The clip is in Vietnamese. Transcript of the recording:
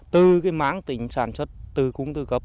từ máng tỉnh sản xuất từ cung tư cấp